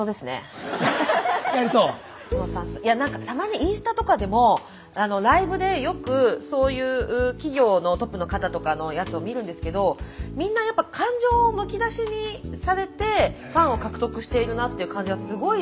いや何かたまにインスタとかでもライブでよくそういう企業のトップの方とかのやつを見るんですけどみんなやっぱ感情をむき出しにされてファンを獲得しているなっていう感じがすごいあるんですよね。